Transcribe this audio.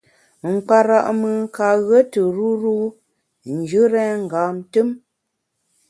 Nkpara’ mùn ka ghue tù ruru njù rèn ngam tùm.